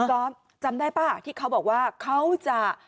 ก๊อฟจำได้ป่ะที่เขาบอกว่าเขาจะ